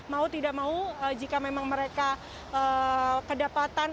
mau tidak mau jika memang mereka kedapatan